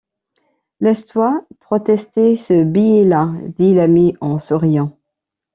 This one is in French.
Laisse-toi protester ce billet-là, dit l’amie en souriant.